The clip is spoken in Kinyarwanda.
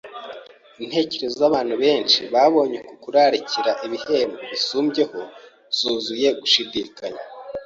Intekerezo z’abantu benshi babonye uku kurarikira ibihembo bisumbyeho zuzuye gushidikanya